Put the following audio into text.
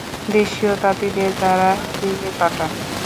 দেশীয় তাঁতিদের দ্বারা গৃহে-কাটা।